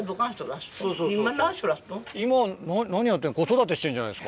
今何やってんだ？